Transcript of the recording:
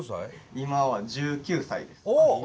今は１９歳です。